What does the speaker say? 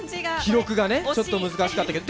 記録がねちょっと難しかったけど。